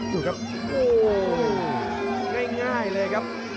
ดูครับโอ้โหง่ายเลยครับ